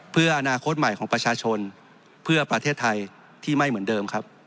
เพื่ออนาคตใหม่ของประชาชนเพื่อประเทศไทยที่ไม่เหมือนเดิมครับ